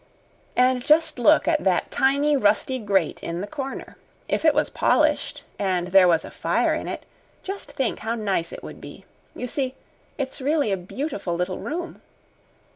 And just look at that tiny, rusty grate in the corner. If it was polished and there was a fire in it, just think how nice it would be. You see, it's really a beautiful little room."